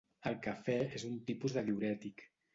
El cafè és un tipus de diürètic.